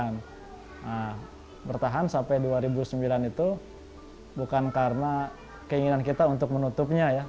nah bertahan sampai dua ribu sembilan itu bukan karena keinginan kita untuk menutupnya ya